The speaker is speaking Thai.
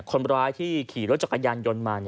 คนร้ายที่ขี่รถจักรยานยนต์มา